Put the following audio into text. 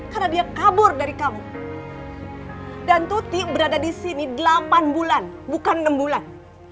karena dia kabur dari kamu dan tuti berada disini delapan bulan bukan enam bulan